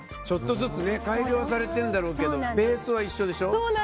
ちょっとずつ改良されてるんだろうけどベースは一緒でしょ。